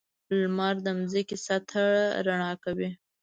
• لمر د ځمکې سطحه رڼا کوي.